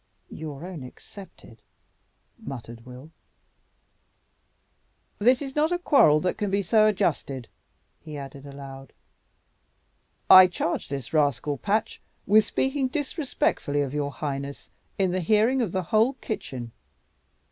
"Your own excepted," muttered Will. "This is not a quarrel that can be so adjusted," he added aloud. "I charge this rascal Patch with speaking disrespectfully of your highness in the hearing of the whole kitchen.